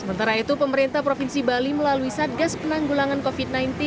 sementara itu pemerintah provinsi bali melalui satgas penanggulangan covid sembilan belas